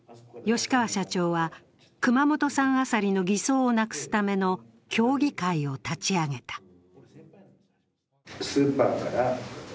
吉川社長は、熊本産アサリの偽装をなくすための協議会を立ち上げた。